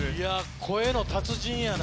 声の達人やな。